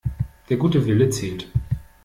Der gute Wille zählt.